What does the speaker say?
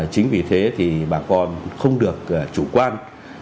chính vì thế thì bà con không được chủ quan